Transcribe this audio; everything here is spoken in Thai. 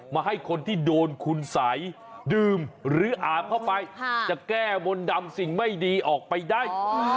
มาให้คนที่โดนคุณสัยดื่มหรืออาบเข้าไปจะแก้มนต์ดำสิ่งไม่ดีออกไปได้